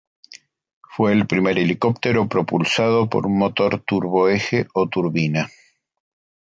Fue el primer helicóptero propulsado por un motor turboeje o turbina.